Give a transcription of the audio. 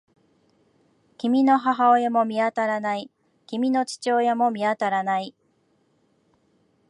君の母親も見当たらない。君の父親も見当たらない。